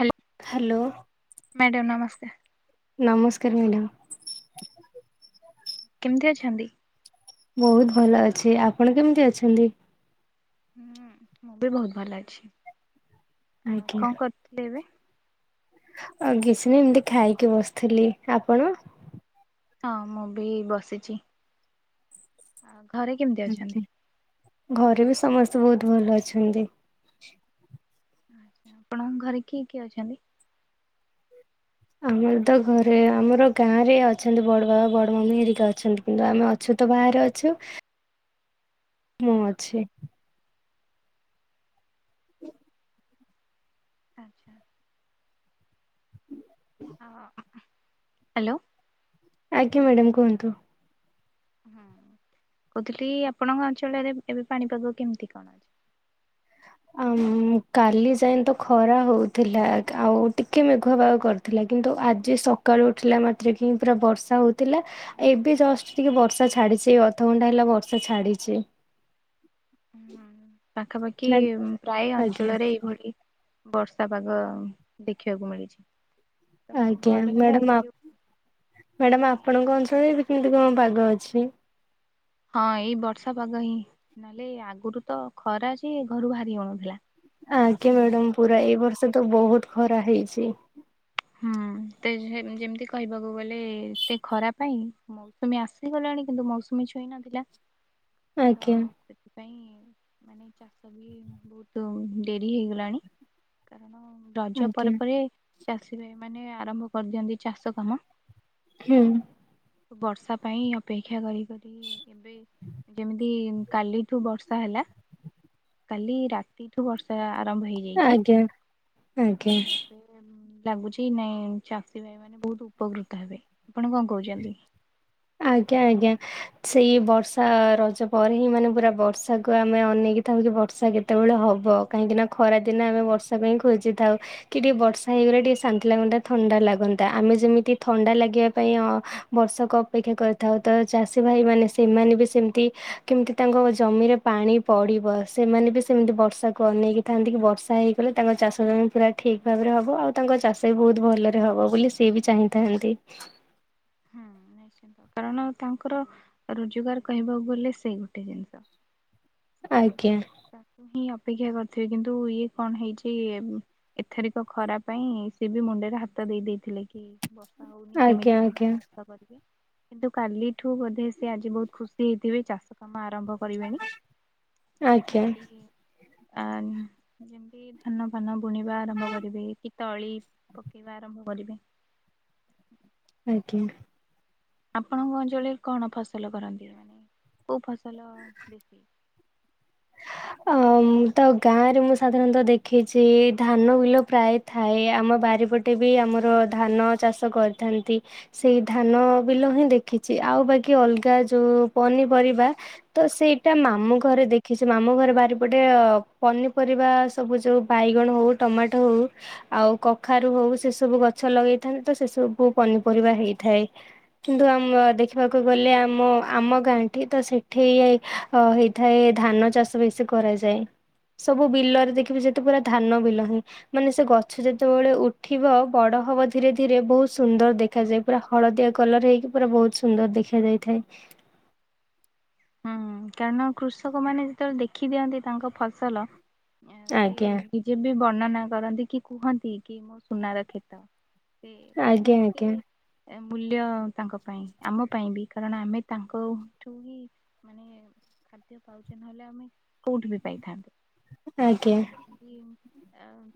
Hello hello madam ନମସ୍କାର। ନମସ୍କାର madam. କେମତି ଅଛନ୍ତି? ବହୁତ ଭଲ ଅଛି। ଆପଣ କେମତି ଅଛନ୍ତି? ହୁଁ ମୁଁ ବି ବହୁତ ଭଲ ଅଛି। ଆଉ ଆଜ୍ଞା କଣ କରୁଥିଲେ ଏବେ? ଆଉ କିଛି ନାହିଁ ଏମତି ଖାଇକି ବସିଥିଲି। ଆପଣ? ହଁ ମୁଁ ବି ବସିଛି। ଘରେ କେମିତି ଆଜ୍ଞା। ଅଛନ୍ତି? ଘରେ ବି ସମସ୍ତେ ବହୁତ ଭଲ ଅଛନ୍ତି। ଆପଣଙ୍କ ଘରେ କିଏ କିଏ ଅଛନ୍ତି? ଆମର ତ ଘରେ ଆମର ଗାଁରେ ଅଛନ୍ତି ବଡ ବାବା, ବଡ ମମି ହେରିକା ଅଛନ୍ତି। କିନ୍ତୁ ଆମେ ଅଛୁ ତ ବାହାରେ ଅଛୁ ମୁଁ ହୁଁ ଅଛି। ଆଚ୍ଛା। ହ୍ୟାଲୋ। ଆଜ୍ଞା ମ୍ୟାଡ଼ାମ କୁହନ୍ତୁ। କହୁଥିଲି ଆପଣଙ୍କ ଅଞ୍ଚଳରେ ଏବେ ପାଣିପାଗ କେମତି କଣ ଅଛି? ହ ଆଁ କାଲି ଯାଏଁ ତ ଖରା ହଉଥିଲା, ଆଉ ଟିକେ ମେଘୁଆ ପାଗ କରିଥିଲା, କିନ୍ତୁ ଆଜି ସକାଳୁ ଉଠିଲା ମାତ୍ରେ କି ପୁରା ବର୍ଷା ହଉଥିଲା, ଏବେ ଜଷ୍ଟ ଟିକେ ବର୍ଷା ଛାଡିଛି ଅଧଘଣ୍ଟା ହେଲା ବର୍ଷା ଛାଡିଛି। ପାଖାପାଖି ମ୍ୟା ପ୍ରାୟ ଆଜ୍ଞା ଅଞ୍ଚଳରେ ଏଇଭଳି ବର୍ଷା ପାଗ ଦେଖିବାକୁ ମିଳିଛି। ତ ଆଜ୍ଞା। ଭଲ ହେଲା ଏଇ ମ୍ୟାଡ଼ାମ ଯୋଉ ଆପ ମ୍ୟାଡ଼ାମ ଆପ ଆପଣଙ୍କ ଅଞ୍ଚଳରେ ଏବେ କେମିତି କଣ ପାଗ ଅଛି? ହଁ ଏଇ ବର୍ଷା ପାଗ ହିଁ, ନହେଲେ ଆଗରୁ ତ ଖରା ଯେ, ଘରୁ ବାହାରି ହଉନଥିଲା। ଆଜ୍ଞା କିନ୍ତୁ ମ୍ୟାଡାମ, ଏବେ ପୁରା ଏଇ ବର୍ଷ ତ ବହୁତ ଖରା ହେଇଛି। ହୁଁ। ଏତେ ସେ ଯେମତି କହିବାକୁ ଗଲେ ଏତେ ଖରା ପାଇଁ, ମୌସୁମୀ ଆସିଗଲାଣି କିନ୍ତୁ ମୌସୁମୀ ଛୁଇଁ ନଥିଲା, ତ ଆଜ୍ଞା। ସେ ସେଇ ପାଇଁ ମାନେ ଚାଷ ବି ବହୁତୁ ଡେରି ହେଇଗଲାଣି, କାରଣ ରଜ ଆଜ୍ଞା ପରେ ପରେ ଚାଷୀ ଭାଇମାନେ ଆରମ୍ଭ କରିଦିଅନ୍ତି, ଚାଷ କାମ। ଖୁଁ। ବର୍ଷା ପାଇଁ ଅପେକ୍ଷା କରି କରି ଏବେ ଯେମିତି କାଲିଠୁ ବର୍ଷା ହେଲା, କାଲି ରାତିଠୁ ବର୍ଷା ଆରମ୍ଭ ହେଇଯାଇଚି ଆଜ୍ଞା ଆଜ୍ଞା। ଲାଗୁଛି ନାଇଁ, ଚାଷୀ ଭାଇମାନେ ବହୁତ ଉପକୃତ ହେବେ। ଆପଣ କଣ କହୁଛନ୍ତି? ଆଜ୍ଞା ଆଜ୍ଞା। ସେଇ ବର୍ଷା ରଜ ପରେ ହିଁ ମାନେ ପୁରା ବର୍ଷାକୁ ଆମେ ଅନେଇ ଇ ଥାଉ କି ବର୍ଷା କେତେବେଳେ ହବ କାହିଁକି ନା ଖରା ଦିନେ ଆମେ ବର୍ଷା ପାଇଁ ଖୋଜି ଥାଉ କି ଟିକେ ବର୍ଷା ହେଇଗଲେ ଟିକେ ଶାନ୍ତି ଲାଗନ୍ତା ଥଣ୍ଡା ଲାଗନ୍ତା ଆମେ ଯେମିତି ଥଣ୍ଡା ଲାଗିଆ ପାଇଁ ଅ ବର୍ଷକ ଅପେକ୍ଷା କରିଥାଉ ତ ଚାଷୀ ଭାଇ ମାନେ ସେମାନେ ବି ସେମତି କେମତି ତାଙ୍କ ଜମିରେ ପାଣି ପଡି ବ ସେମାନେ ବି ସେମିତି ବର୍ଷାକୁ ଅନେଇକି ଥାଆନ୍ତି କି ବର୍ଷା ହେଇଗଲେ ତାଙ୍କ ଚାଷ ଜମି ପୁରା ଠିକ୍ ଭାବରେ ହବ। ଆଉ ତାଙ୍କ ଚାଷ ବି ବହୁତ ଭଲରେ ହବ ବୋଲି ସିଏ ବି ଚାହିଁଥାଆନ୍ତି। ହୁଁ। କାରଣ ତାଙ୍କର ରୋଜଗାର କହିବାକୁ ଗଲେ ସେଇ ଗୋଟେ ଜିନିଷ। ସେଇଥି ଆଜ୍ଞା ତାକୁ ହିଁ ଅ ପେକ୍ଷା କରିଥିବେ କିନ୍ତୁ ଇଏ କଣ ହେଇଛି ଏ ଉଁ ଏଥେରିକ ଖରା ପାଇଁ ସିଏ ବି ମୁଣ୍ଡେରେ ହାତ ଦେଇ ଦେଇଥିଲେ କି ବର୍ଷା ହଉନି ଆଜ୍ଞା କେମିତି କଣ ଆଜ୍ଞା। ଚାଷ କରିବେ। କିନ୍ତୁ କାଲିଠୁ ବୋଧେ ସେ ଆଜି ବହୁତ ଖୁସି ହେଇଥିବେ ଚାଷ କାମ ଆରମ୍ଭ କରିବେଣି। ଆଜ୍ଞା। ଆନ୍ ଯେମିତି ଧାନ ଫାନ ବୁଣିବା ଆରମ୍ଭ କରିବେ କି ତଳି ପକେଇବା ଆରମ୍ଭ କରିବେ। ହୁଁ। ଆଜ୍ଞା। ଆପଣଙ୍କ ଅଞ୍ଚଳରେ କଣ ଫସଲ କରନ୍ତି ମାନେ କୋଉ ଫସଲ ବେଶୀ? ଅ ମୁଁ ତ ଗାଁ ରେ ମୁଁ ସାଧାରଣତଃ ଦେଖିଛି ଧାନ ବିଲ ପ୍ରାୟେ ଥାଏ ଆମ ବାରିପଟେ ବି ଆମର ଧାନ ଚାଷ କରିଥାନ୍ତି। ସେଇ ଧାନ ବିଲ ହିଁ ଦେଖିଛି। ଆଉ ବାକି ଅଲଗା ଯୋଉ ପନିପରିବା ତ ସେଇଟା ମାମୁଁ ଘରେ ଦେଖିଛି। ମାମୁଁ ଘରେ ବାରିପଟେ ଅ ପନିପରିବା ସବୁ ଯୋଉ ବାଇଗଣ ହଉ ଟମାଟୋ ହଉ ଆ ଆଉ କଖାରୁ ହଉ ସେ ସବୁ ଗଛ ଲଗେଇଥାନ୍ତି ତ ସେ ସବୁ ପନିପରିବା ହେଇଥାଏ। କିନ୍ତୁ ଆମ ଦେଖିବାକୁ ଗଲେ ଆମ ଆମ ଗାଁ ଟି ତ ସେଠି ଏ ଅ ହେଇଥାଏ ଧାନ। ଚାଷ ବେଶୀ କରାଯାଏ। ସବୁ ବିଲରେ ଦେଖିବୁ ସେ ତ ପୁରା ଧାନ ବିଲ ହିଁ ମାନେ ସେ ଗଛ ଯେତେବେଳେ ଉଠିବ ବଡ ହବ ଧୀରେ ଧୀରେ ବହୁତ ସୁନ୍ଦର ଦେଖାଯାଏ ପୁରା ହଳଦିଆ କଲର ହେଇକି ପୁରା ବହୁତ ସୁନ୍ଦର ଦେଖା ଯାଇଥାଏ। ହୁଁ କାରଣ କୃଷକ ମାନେ ଯେତେବେଳେ ଦେଖି ଦିଅନ୍ତି ତାଙ୍କ ଫସଲ ଏଁ ସିଏ ଆଜ୍ଞା ନିଜେ ବି ବର୍ଣ୍ଣନା କରନ୍ତି କି କୁହନ୍ତି କି ମୋ ସୁନାର କ୍ଷେତ। ସେ ମାନେ ଆଜ୍ଞା ଏତେ ଆଜ୍ଞା ଏ ମୂଲ୍ୟ ତାଙ୍କ ପାଇଁ ଆମ ପାଇଁ ବି କାରଣ ଆମେ ତାଙ୍କ ଠୁ ହିଁ ମାନେ ଖାଦ୍ୟ ପାଉଛେ ନହେଲେ ଆମେ କୋଉଠୁ ବି ପାଇଥାନ୍ତେ? ଆଜ୍ଞା ଆ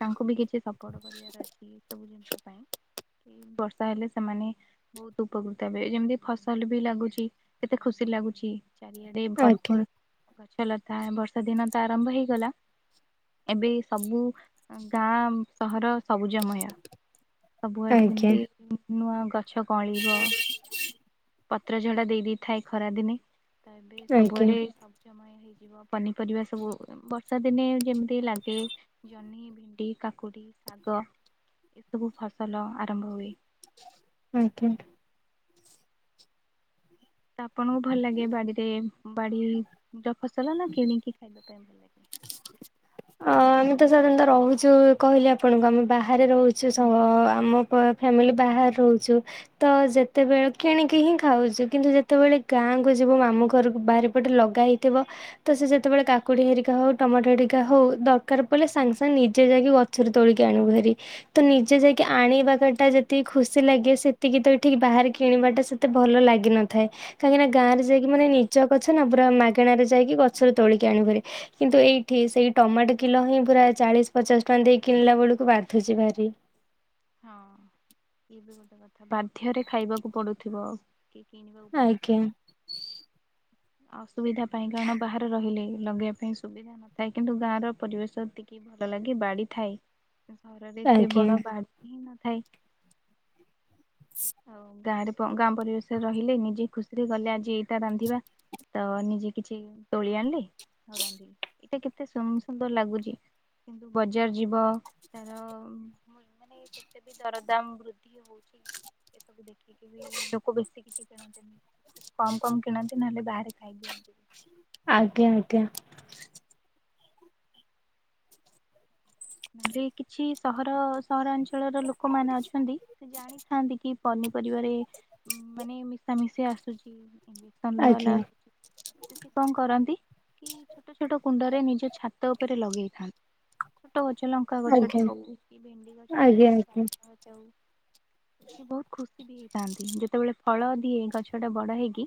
ତାଙ୍କୁ ବି କିଛି ସପୋର୍ଟ କରିବାର ଅଛି ଏ ସବୁ ଜିନିଷ ପାଇଁ। କି ବର୍ଷା ହେଲେ ସେମାନେ ବହୁତ ଉପକୃତ ହେବେ ଏ ଯେମିତି ଫସଲ ବି ଲାଗୁଛି କେତେ ଖୁସି ଲାଗୁଛି ଚାରିଆଡେ ଆଜ୍ଞା ଭରପୁର ଗ ଛ ଲତା ବର୍ଷା ଦିନ ତ ଆରମ୍ଭ ହେଇଗଲା। ଏବେ ସବୁ ଅଁ ଗାଁ ସହର ସବୁଜମୟ ସବୁଆଡ଼େ ଆଜ୍ଞା ଯେମିତି ଉଁ ନୂଆ ଗଛ କଅଁଳିବ। ପତ୍ର ଝଡ଼ା ଦେଇ ଦେଇଥାଏ ଖରାଦିନେ। ତ ଏବେ ଆଜ୍ଞା ସବୁଆଡେ ସ ସବୁଜମୟ ହେଇଯିବ ପନିପରିବା ସବୁ ବର୍ଷା ଦିନେ ଯେମିତି ଲାଗେ ଜହ୍ନି, ଭେଣ୍ଡି କାକୁଡ଼ି, ଶାଗ ଏସବୁ ଫସଲ ଆରମ୍ଭ ହୁଏ। ଆଜ୍ଞା। ତ ଆପଣଙ୍କୁ ଭଲ ଲାଗେ ବାଡିରେ ବାଡି ର ଫସଲ ନା କିଣିକି ଖାଇବା ପାଇଁ ଭଲ ଲାଗେ? ଅ ଆମେ ତ ସାଧାରଣତଃ ରହୁଛୁ କହିଲେ ଆପଣଙ୍କୁ ଆମେ ବାହାରେ ରହୁଛୁ ସ ହୁଁ ଆମ ପ-ଫ୍ୟାମିଲି ବାହାରେ ରହୁଛୁ ତ ଯେତେବେଳେ କିଣିକି ହିଁ ଖାଉଛୁ କିନ୍ତୁ ଯେତେବେଳେ ଗାଁ ଗାଁକୁ ଯିବୁ ମାମୁଁ ଘରୁକୁ ବାରିପଟେ ଲଗା ହେଇଥିବ ତ ସେ ସେତେବେଳେ କାକୁଡି ହେରିକା ହଉ ଟମାଟୋ ହେରି କା ହଉ ଦରକାର ପଡିଲେ ହୁଁ ସାଙ୍ଗେ ସାଙ୍ଗେ ନିଜେ ଯାଇକି ଗ ତୋଳିକି ଆଣିବୁ ଭାରି। ତ ନିଜେ ଯାଇକି ଆଣିବାଟା ଯେତିକି ଖୁସି ଲାଗେ ସେତିକି ତ ଏଠିକ ବା ବାହାରେ କିଣିବା ଟା ସେତେ ଭଲ ଲାଗିନଥାଏ। କାହିଁକି ହୁଁ ଗାଁରେ ତଥାପି ଯାଇକି ମାନେ ନିଜ ଗଛ ହଁ ପୁରା ମାଗଣା ରେ ଯାଇକି ଗଛରୁ ତୋଳିକି ଆଣିବୁ ଭାରି। କିନ୍ତୁ ଏଇ ଏଠି ସେଇ ଟମାଟୋ କିଲୋ ହିଁ ପୁରା ଚାଳିଶ ପଚାଶ ଟଙ୍କା ଦେଇ କିଣିଲା ବେଳକୁ ବାଧୁଚି ଭାରି। ହଁ ଇଏ ବି ଗୋଟେ କଥା ବାଧ୍ୟରେ ଖାଇବାକୁ ପଡୁଥିବ ଆଉ। କି କିଣିବାକୁ ପଡୁଥିବ। ଆଜ୍ଞା ଅସୁବିଧା ପାଇଁ କାରଣ ବାହାରେ ରହିଲେ ଲଗେଇବା ପାଇଁ ସୁବିଧା ନଥାଏ। କିନ୍ତୁ ଗାଁ ର ପରିବେଶ ଏତିକି ଭଲ ଲାଗେ ବାଡି ଥାଏ। ଘରରେ ଏତେ ଆଜ୍ଞା ବଡ ବାଡି ହିଁ ନଥାଏ। ଆଉ ଗାଁରେ ଗାଁ ପରିବେଶରେ ରହିଲେ ନିଜେ ଖୁସିରେ ଗଲେ ଆଜି ଏଇଟା ରାନ୍ଧିବା। ତ ନିଜେ କିଛି ତୋଳି ଆଣିଲେ ଆଉ ରାନ୍ଧିଲେ ଏଇଟା କେତେ ସୁ ସୁନ୍ଦର ଲାଗୁଚି। କିନ୍ତୁ ବଜାର ଯିବ ତାର [unintelligible] ମାନେ କେତେ ବି ଦରଦାମ ବୃଦ୍ଧି ହଉଚି ଏ ସବୁ ଦେଖିକି ବି ଲୋକ ବେଶୀ କିଛି କିଣନ୍ତିନି ଖୁବ କମ କମ କିଣନ୍ତି। ନହେଲେ ବାହାରେ ଖାଇଦି। [inaudible] ଆଜ୍ଞା ଆଜ୍ଞା। ମାନେ କିଛି ସହର ସହରାଞ୍ଚଳର ଲୋକମାନେ ଅଛନ୍ତି ସେ ଜାଣିଥାନ୍ତି କି ପନି ପରିବା ମାନେ ମିଶାମଶି ଆସୁଚି। [unintelligible] ବାଲା ଆଜ୍ଞା ଆସୁଛି ସେଠି କଣ କରନ୍ତି? କି ଛୋଟ ଛୋଟ କୁଣ୍ଡରେ ନିଜ ଛାତ ଉପରେ ଲଗେଇଥାନ୍ତି। ଛୋଟ ଗଛ ଲଙ୍କା ଗଛଟେ ଆଜ୍ଞା। ହଉ କି ଭେଣ୍ଡି ଆଜ୍ଞା ଗଛଟେ ଆଜ୍ଞା ହଉ। [unintelligible] ବହୁତ ଖୁସି ବି ହେଇଥାନ୍ତି। ଯେତେବେଳେ ଫଳ ଦିଏ ଗଛଟା ବଡ ହେଇକି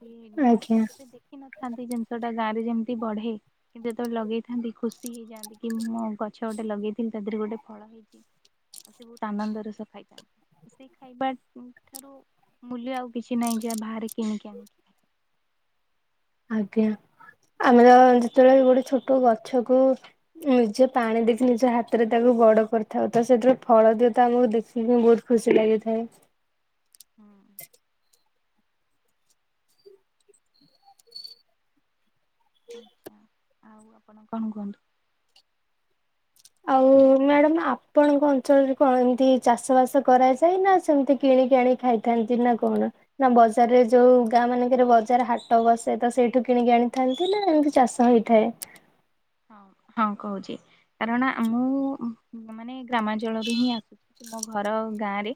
[unintelligible] ଆଜ୍ଞା କେବେ ଦେଖିନ ଥାନ୍ତି ଜିନିଷ ଟା ଗାଁରେ ଯେମିତି ବଢେ କି ଯେତେବେଳେ ଲଗେଇଥାନ୍ତି ଖୁସି ହେଇଯାଆନ୍ତି କି ମୁଁ ଗଛ ଗୋଟେ ଲଗେଇଥିଲି ତା ଦେହରେ ଗୋଟେ ଫଳ ହେଇଚି। ତାକୁ ବହୁତ ଆନନ୍ଦର ସହିତ ଖାଇଥାନ୍ତି। ସେ ଖାଇବା ଠାରୁ ମୂଲ୍ୟ ଆଉ କିଛି ନାହିଁ ଯାହା ବାହାରେ କିଣିକି ଆଣିକି ଖାଇ। [inaudible] ଆଜ୍ଞା। ଆମର ଯେତେବେଳେ ଗୋଟେ ଛୋଟ ଗଛକୁ ନିଜେ ପାଣି ଦେଇକି ନିଜ ହାତରେ ତାକୁ ବଡ କରିଥାଉ ତ ସେଥିରୁ ଫଳ ଦିଏ ତ ଆମକୁ ଦେଖିକି ବହୁତ ଖୁସି ଲାଗିଥାଏ। ହୁଁ। ଆଚ୍ଛା। ଆଉ ଆପଣ କଣ କୁହନ୍ତୁ? ଆଉ ମ୍ୟାଡାମ ଆପଣଙ୍କ ଅଞ୍ଚଳରେ କଣ ଏମତି ଚାଷ ବାସ କରାଯାଏ ନା ସେମିତି କି ସେଇଠି ଆଣି ଖାଇଥାନ୍ତି ନା କଣ ନା ବ [unintelligible] ଯୋଉ ଗାଁ ମାନଙ୍କରେ ବଜାର ହାଟ ବସେ ତ ସେଇଠୁ କିଣିକି ଆଣିଥାନ୍ତି ନା ଏମିତି ଚାଷ ହେଇଥାଏ। [inaudible] ହଁ ହଁ କହୁଚି କାରଣ ଆ ମୁଁ ମାନେ ଗ୍ରାମାଞ୍ଚଳରୁ ହିଁ ଆସୁ ମୋ ଘର ଗାଁ ରେ।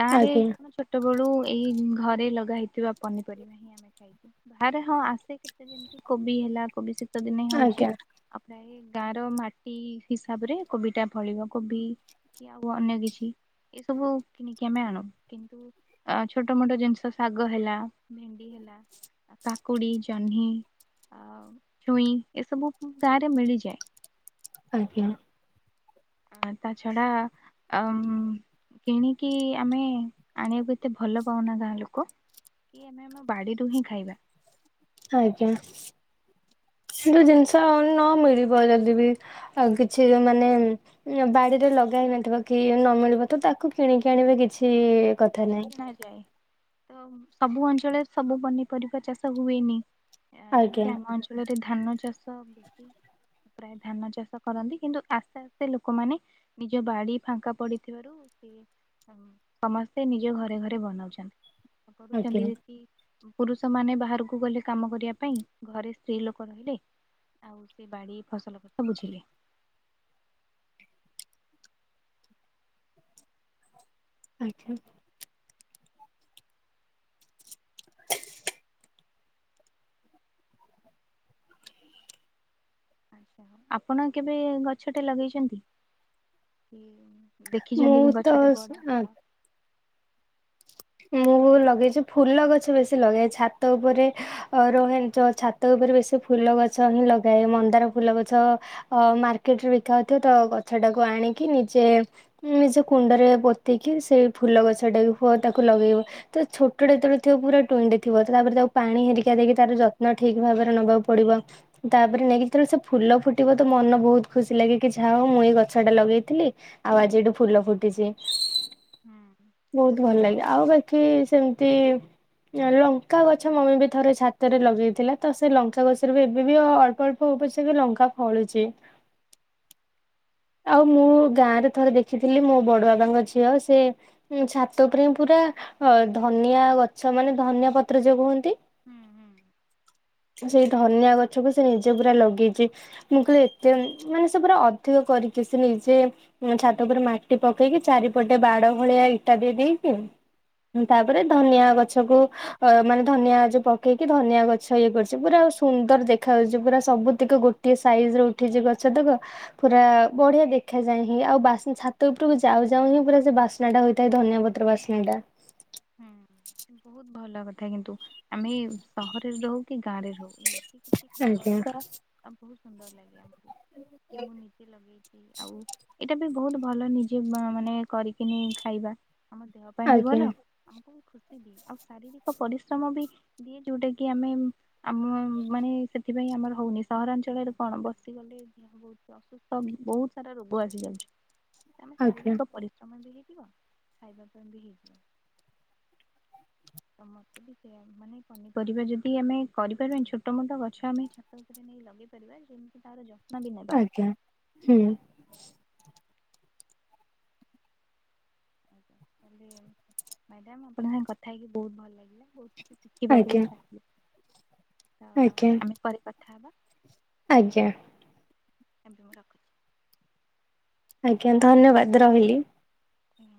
ଗାଁ ରେ ଆଜ୍ଞା କଣ ଛୋଟ ବେଳୁ ଏଇ ଘରେ ଲଗା ହେଇଥିବା ପନିପରିବା ହିଁ ଆମେ ବାହାରେ ହଁ ଆସେ କେତେ କେମିତି କୋବି ହେଲା କୋବି ଶୀତ ଦିନେ ହଉଚି। ଆଜ୍ଞା ଆଉ ପ୍ରାୟ ଗାଁ ର ମାଟି ହିସାବରେ କୋବି ଟା ଫଳିବ। କୋବି କି ଆଉ ଅନ୍ୟ କିଛି। ଏସବୁ କିଣିକି ଆମେ ଆଣୁ। କିନ୍ତୁ ଅ ଛୋଟ ମୋଟ ଜିନିଷ ଶାଗ ହେଲା ଭେଣ୍ଡି ହେ କାକୁଡି, ଜହ୍ନି ଆଉ ଛୁଇଁ ଏସବୁ ଗାଁରେ ମିଳିଯାଏ। ଆଜ୍ଞା। ଆ ତାଛଡ଼ା ଆମ୍ କିଣିକି ଆମେ ଆଣିବାକୁ ଏତେ ଭଲ ପାଉନା ଗାଁ ଲୋକ। କି ଆମେ ଆମ ବାଡିରୁ ହିଁ ଖାଇବା। ଆଜ୍ଞା। ହଁ କିନ୍ତୁ ଜିନିଷ ନ ମିଳିବ ଯଦି ବି ଆ କିଛି ମାନେ ବାଡିରେ ଲଗେଇ ନଥିବ କି ନ ମିଳିବ ତ ତାକୁ କିଣିକି ଆଣିବ କି କିଣ ନା କିଛି କିଣା ଯାଏ। ତ ସବୁ ଅଞ୍ଚଳରେ ସବୁ ପନିପରିବା ଚାଷ ହୁଏନି। ଆଜ୍ଞା ଯେମିତି ଆମ ଅଞ୍ଚଳରେ। ଧାନ ଚାଷ ବେଶୀ,। ପ୍ରାୟ ଧାନ ଚାଷ କରନ୍ତି କିନ୍ତୁ ଆସ୍ତେ ଆସ୍ତେ ଲୋକମାନେ ନିଜ ବାଡି ଫାଙ୍କା ପଡିଥିବାରୁ। ହଁ। ସମସ୍ତେ ନିଜ ଘରେ ଘରେ ବନାଉଛନ୍ତି କରୁଛନ୍ତି ଆଜ୍ଞା କି ପୁରୁଷ ମାନେ ବା ବାହାରକୁ ଗଲେ କାମ କରିବା ପାଇଁ ଘରେ ସ୍ତ୍ରୀ ଲୋକ ରହିଲେ। ଆଉ ସେ ବାଡି ଫସଲ କଥା ବୁଝିଲେ। ଆଚ୍ଛା। [unintelligible] ଆଛା, ଆପଣ କେବେ ଗଛଟେ ଲଗେଇଛନ୍ତି? ମୁଁ ଦେଖିଛନ୍ତି କି ଗଛଟେ ବଡ ତ ହେବାର। ମୁ। ଲଗେଇଛ ଫୁଲ ଗଛ ବେଶୀ ଲଗାଏ ଛାତ ଉପରେ ରହେ ତ ଛାତ ଉପରେ ବେଶୀ ଫୁଲ। ଗଛ ହି ଲଗାଏ, ମନ୍ଦାର ଫୁଲ ଗଛ ମାର୍କେଟରେ ବିକା ହଉଥିବ ତ ଗଛଟାକୁ ଆଣିକି। ନିଜେ ନିଜ କୁଣ୍ଡରେ ପୋତିକି ସେଇ ଫୁଲ ଗଛ ଟାକୁ ହୁଅ ତାକୁ। ଲଗେଇବ। ତ ଛୋଟ ଟେ ଯେତେବେଳେ ଥିବ ପୁରା ଟୁଣ୍ ଟେ ଥିବ ତାପରେ ତାକୁ ପାଣି ହେରିକା ଦେଇକି ତାର ଯତ୍ନ ଠିକ୍ ଭାବରେ। ନବାକୁ ପଡିବ। ତାପରେ ନେଇକି ଯେତେ ବେଳେ ସେ ଫୁଲ ଫୁଟିବ ତ ମନ ବହୁତ ଖୁସି ଲାଗେ କି ଯାହା ହଉ ମୁଁ ଏ। ଗଛ ଟା ଲଗେଇଥିଲି। ଆଉ ଆଜି ଏଠୁ ଫୁଲ ଫୁଟିଛି। ହୁଁ ସେତେ ବେଳେ ତ ବହୁତ। ହୁଁ ସେମିତି। ଲଙ୍କା ଗଛ ମମି ବି ଥରେ ଛାତରେ ଲଗେଇଥିଲା। ତ ସେ ଲଙ୍କା ଗଛରୁ ଏବେ ବି ଆଉ ଅଳ୍ପ ଅଳ୍ପ। ଏ ବର୍ଷ ବି ଲଙ୍କା ଫଳିଛି। [unintelligible] ଆଉ ମୁଁ ଗାଁ ରେ ଥରେ ଦେଖିଥିଲି ମୋ ବଡ ବାବାଙ୍କ ଝିଅ ସେ ଛାତ ଉପରେ। ପୁରା ଅ ଧନିଆ ଗଛ ମାନେ ଧନିଆ ପତ୍ର ଜୋଉ କୁହନ୍ତି। ହୁଁ ହୁଁ। ସେଇ ଧନିଆ ଗଛକୁ ସେ ନିଜେ ପୁରା ଲଗେଇଛି। ମୁଁ କହିଲି, ଏତେ ମାନେ ସେ ପୁରା ଅଧିକ। କରିକି ସେ ନିଜେ ଛାତ ଉପରେ ମାଟି ପକେଇକି ଚାରିପଟେ ବାଡ ଭଳିଆ ଇଟା ବି ଦେଇକି। ତାପରେ ଧନିଆ ଗଛକୁ ଅ ମାନେ। ଧନିଆ ଯୋଉ ପକେଇକି ଧନିଆ ଗଛ ଇଏ କରୁଛି ପୁରା ସୁନ୍ଦର ଦେଖାଯାଉଛି ପୁରା ସବୁତିକ ଗୋଟିଏ ସାଇଜ। ରେ ଉଠିଛି ଗଛ ତକ ପୁରା ବଢିଆ ଦେଖାଯାଏ ହିଁ, ଆଉ ବାସେ ଛାତ ଉପରକୁ ଯାଉ ଯାଉ ହିଁ। ଉପରେ ସେ ବାସ୍ନାଟା ହୋଇଥାଏ ଧନିଆ ପତ୍ର ବାସ୍ନା ଟା। ହୁଁ, ବହୁତ ଭଲ କଥା କିନ୍ତୁ ଆମେ ସହରରେ ରହୁ କି ଗାଁରେ ରହୁ। ନିତି କିଛି ଆଜ୍ଞା କରିବା ଆଉ ବହୁତ ସୁନ୍ଦର ଲାଗେ ଆମକୁ। କି ମୁଁ ନିଜେ ଲଗେଇଛି ଆଉ ଏଇଟା। ବି ବହୁତ ଭଲ ନିଜେ ମାନେ କରିକିନି ଖାଇବା। ଆମ ଦେହ ପାଇଁ ବି ଆଜ୍ଞା ଭଲ। ଆମକୁ ବି ଖୁସି ଦିଏ ଆଉ ଶାରୀରିକ ପରିଶ୍ରମ ବି ଦିଏ ଯୋଉଟା କି ଆମେ ଆମ ମାନେ। ସେଥିପାଇଁ ଆମର ହଉନି ସହରାଞ୍ଚଳରେ କଣ ବସି ଗଲେ ଦେହ ବହୁତ ଅସୁସ୍ଥ ବହୁତ ସାରା ରୋଗ। ବଢିଯାଉଛି ଆମ ଆଜ୍ଞା ଶାରୀରିକ ପରିଶ୍ରମ ବି ହେଇଯିବ ଖାଇବା ପାଇଁ ବି ହେଇଯିବ। ସମସ୍ତେ ବି ସେୟା ମାନେ ପନିପରିବା ଯଦି ଆମେ କରି ପାରିବାନି ଛୋଟ ମୋଟ ଗଛ ଆମେ ଛାତ ଉପରେ। ଲଗେଇ ପାରିବା ଯେମିତି ତାର ଯତ୍ନ। ବି ନେବା ଆଜ୍ଞା ହୁଁ। ମ୍ୟାଡାମ ଆପଣ ଙ୍କ ସାଙ୍ଗେ କଥା ହେଇକି ବହୁତ ଭଲ ଲାଗିଲା ବହୁତ। କିଛି ଶିଖିବାକୁ ଆଜ୍ଞା ବି ପାଇିଲି ତ ଆଜ୍ଞା। ଆମେ ପରେ କଥା ହବା। ଆଜ୍ଞା। ଏବେ ମୁ ରଖୁଛି। ଆଜ୍ଞା ଧନ୍ୟବାଦ ରହିଲି। ଆଜ୍ଞା